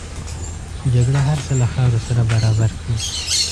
جګړه هر څه له خاورو سره برابر کړي